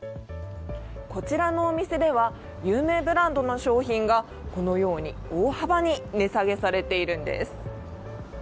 こちらのお店では有名ブランドの商品がこのように大幅に値下げされているんです。